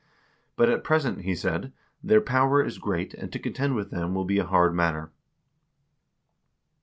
'But at present,' he said, 'their power is great, and to contend with them will be a hard matter.'"